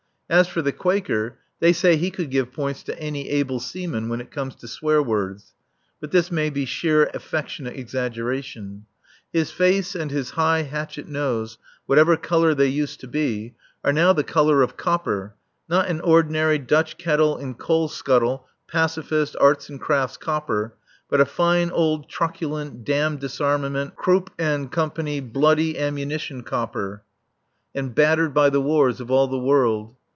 As for the Quaker, they say he could give points to any able seaman when it comes to swear words (but this may be sheer affectionate exaggeration). His face and his high, hatchet nose, whatever colour they used to be, are now the colour of copper not an ordinary, Dutch kettle and coal scuttle, pacifist, arts and crafts copper, but a fine old, truculent, damn disarmament, Krupp & Co., bloody, ammunition copper, and battered by the wars of all the world.